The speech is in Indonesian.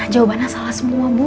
jawabannya salah semua bu